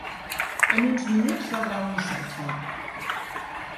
En uns minuts rebrà un missatge.